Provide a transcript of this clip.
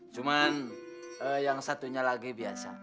cuman yang satunya lagi biasa